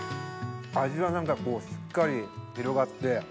味は何かこうしっかり広がって。